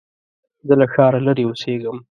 زه له ښاره لرې اوسېږم.